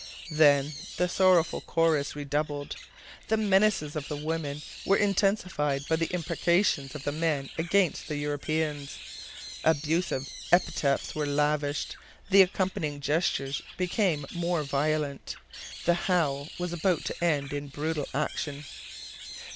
Then the sorrowful chorus redoubled. The menaces of the women were intensified by the imprecations of the men against the Europeans. Abusive epithets were lavished, the accompanying gestures became more violent. The howl was about to end in brutal action.